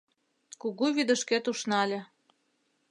Кугу вӱдышкет ушнале.